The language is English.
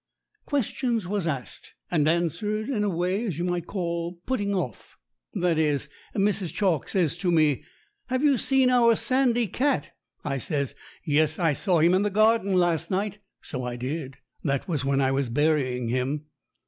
Questions was asked, and ans\vered in a way as you might call putting off. That is, Mrs. Chalk says to me, "Have you seen our sandy cat?" I says, "Yes, I saw him in the garden last night." So I did. That was when I was burying him.